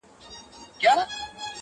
• چي خبري دي ترخې لګېږي ډېري,